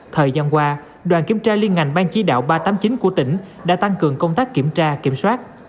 thời gian qua đoàn kiểm tra liên ngành bang chỉ đạo ba trăm tám mươi chín của tỉnh đã tăng cường công tác kiểm tra kiểm soát